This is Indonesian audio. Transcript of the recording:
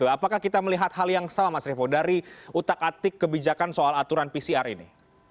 apakah kita melihat hal yang sama mas revo dari utak atik kebijakan soal aturan pcr ini